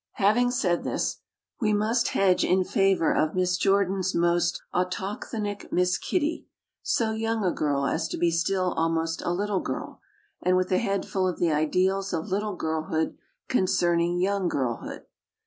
Having said this, we must hedge in favor of Miss Jordan's most autochthonic Miss Kittie, so young a girl as to be still almost a little girl, and with a head full of the ideals of little girlhood concerning young girlhood.